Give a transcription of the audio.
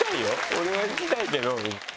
俺はいきたいけど。